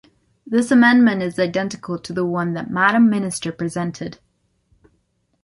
This amendment is identical to the one that Madam minister presented.